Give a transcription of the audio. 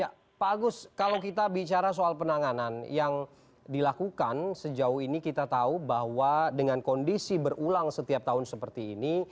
ya pak agus kalau kita bicara soal penanganan yang dilakukan sejauh ini kita tahu bahwa dengan kondisi berulang setiap tahun seperti ini